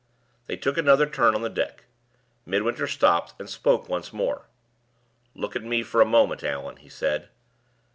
They took another turn on the deck. Midwinter stopped, and spoke once more. "Look at me for a moment, Allan," he said.